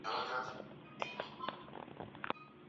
washike sasa hivi muhesimiwa john chiligati